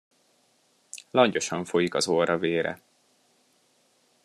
Langyosan folyik az orra vére.